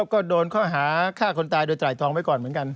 ก็โดนข้อหาฆ่าคนตายโดยไตรตรองไว้ก่อนเหมือนกัน